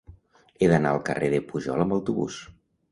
He d'anar al carrer de Pujol amb autobús.